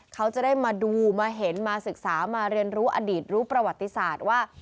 เขาจะได้มาดูมาเห็นมาศึกษามาเรียนรู้อดีตรู้ประวัติศาสตร์ว่า